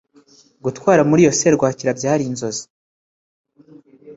Gutwara muri iyo serwakira byari inzozi